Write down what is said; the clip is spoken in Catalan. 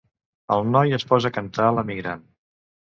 El noi es posa a cantar L'Emigrant.